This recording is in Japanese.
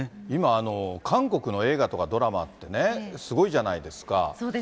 今、韓国の映画とかドラマってね、すごいじゃないですか。